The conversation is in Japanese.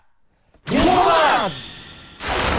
リフォーマーズ！